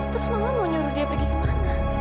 terus mama mau nyuruh dia pergi ke mana